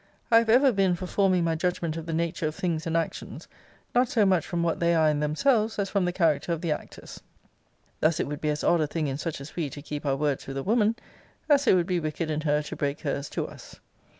I have ever been for forming my judgment of the nature of things and actions, not so much from what they are in themselves, as from the character of the actors. Thus it would be as odd a thing in such as we to keep our words with a woman, as it would be wicked in her to break her's to us.